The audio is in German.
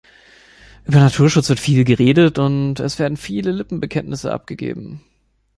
Über Naturschutz wird viel geredet, und es werden viele Lippenbekenntnisse abgegeben.